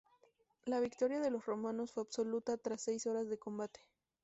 La victoria de los romanos fue absoluta tras seis horas de combate.